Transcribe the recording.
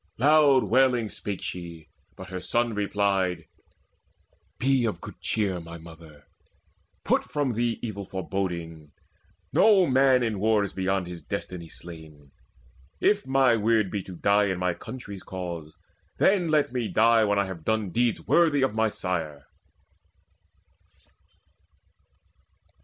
Loud wailing spake she; but her son replied: "Be of good cheer, my mother; put from thee Evil foreboding. No man is in war Beyond his destiny slain. If my weird be To die in my country's cause, then let me die When I have done deeds worthy of my sire."